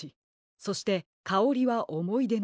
そして「かおりはおもいでのかぎなのよ」。